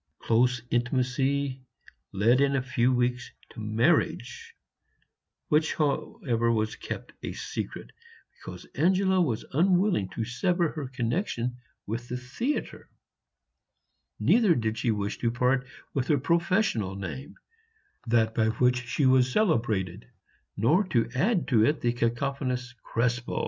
Close intimacy led in a few weeks to marriage, which, however, was kept a secret, because Angela was unwilling to sever her connection with the theatre, neither did she wish to part with her professional name, that by which she was celebrated, nor to add to it the cacophonous "Krespel."